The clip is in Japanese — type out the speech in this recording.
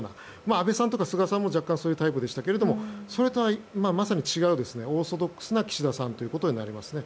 安倍さんとか菅さんもそういうタイプでしたがそれとは違うオーソドックスな岸田さんとなりますね。